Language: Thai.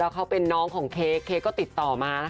เขาเป็นน้องของเค้กเค้กก็ติดต่อมา